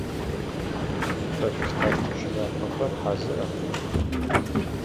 Хэшъулъхьащт чылапхъэхэр хьазырха?